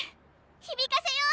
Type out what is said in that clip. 響かせよう！